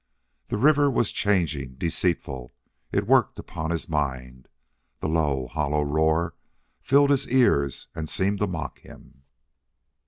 The river was changing, deceitful. It worked upon his mind. The low, hollow roar filled his ears and seemed to mock him.